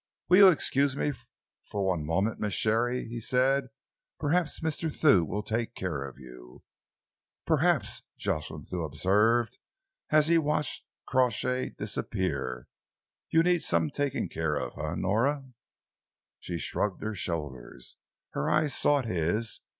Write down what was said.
"Will you excuse me for one moment, Miss Sharey?" he said. "Perhaps Mr. Thew will take care of you." "Perhaps," Jocelyn Thew observed, as he watched Crawshay disappear, "you need some taking care of, eh, Nora?" She shrugged her shoulders. Her eyes sought his.